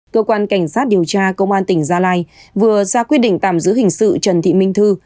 cơ quan cảnh sát điều tra công an tỉnh gia lai vừa ra quyết định tạm giữ hình sự trần thị minh thư